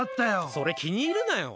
それ気に入るなよ！